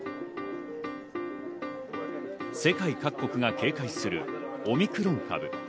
世界各国が警戒するオミクロン株。